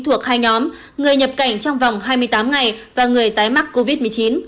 thuộc hai nhóm người nhập cảnh trong vòng hai mươi tám ngày và người tái mắc covid một mươi chín